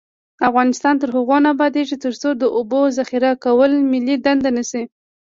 افغانستان تر هغو نه ابادیږي، ترڅو د اوبو ذخیره کول ملي دنده نشي.